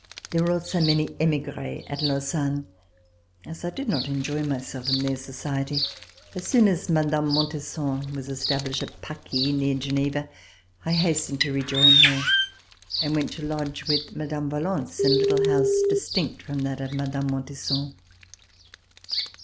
There were also many emigres at Lausanne. As 1 did not enjoy myself in their society, as soon as Mme. Montesson was established at Paquis, near Geneva, I hastened to rejoin her, and went to lodge with Mme. Valence in a little house distinct from that of Mme. Montesson.